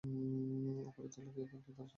উপরতলায় কেউ থাকলে, তারা শুনতে পাবে।